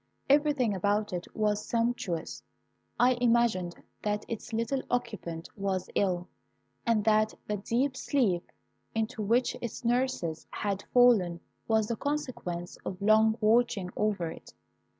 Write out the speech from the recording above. Everything about it was sumptuous. I imagined that its little occupant was ill, and that the deep sleep into which its nurses had fallen was the consequence of long watching over it.